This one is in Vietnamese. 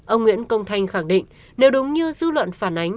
ông nguyễn công thanh khẳng định nếu đúng như dư luận phản ánh